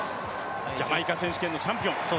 ジャマイカ選手権のチャンピオン。